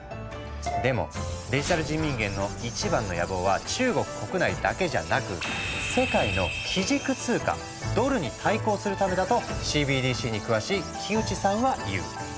でもデジタル人民元の一番の野望は中国国内だけじゃなく世界の基軸通貨ドルに対抗するためだとＣＢＤＣに詳しい木内さんは言う。